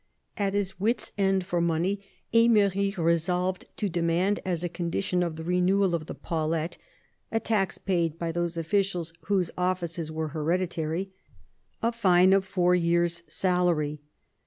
At his wits' end for money, Emery resolved to demand as a condition of the renewal of the paulette (a tax paid by those officials whose offices were hereditary) a fine of four years' salary.